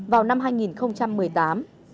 vào năm hai nghìn một mươi tám